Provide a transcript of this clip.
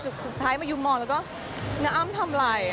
สุดท้ายมายุมมองแล้วก็น้าอ้ำทำอะไร